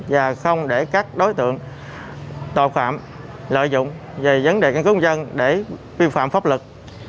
và không để các đối tượng tòa khoản lợi dụng về vấn đề căn cước công dân để vi phạm pháp lực